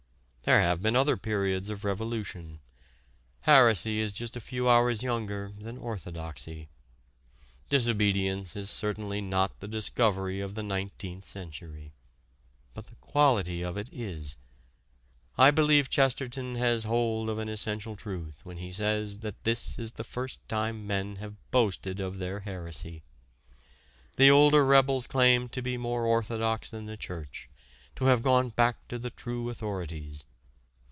There have been other periods of revolution. Heresy is just a few hours younger than orthodoxy. Disobedience is certainly not the discovery of the nineteenth century. But the quality of it is. I believe Chesterton has hold of an essential truth when he says that this is the first time men have boasted of their heresy. The older rebels claimed to be more orthodox than the Church, to have gone back to the true authorities.